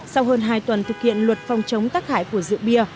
sau hơn hai tuần thực hiện luật phòng chống tác hại của rượu bia